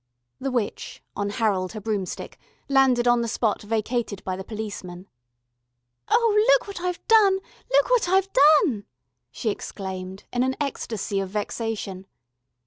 The witch on Harold her Broomstick landed on the spot vacated by the policeman. "Oh, look what I've done, look what I've done ..." she exclaimed in an ecstasy of vexation.